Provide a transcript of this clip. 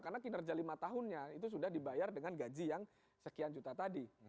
karena kinerja lima tahunnya itu sudah dibayar dengan gaji yang sekian juta tadi